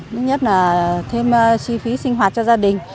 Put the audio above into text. thứ nhất là thêm chi phí sinh hoạt cho gia đình